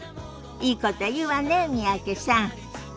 いいこと言うわね三宅さん。